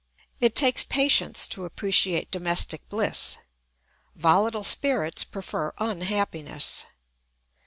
It takes patience to appreciate domestic bliss; volatile spirits prefer unhappiness.